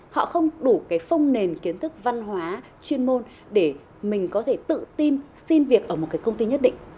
họ không đủ cái phong nền kiến thức văn hóa chuyên môn để mình có thể tự tin xin việc ở một cái công ty nhất định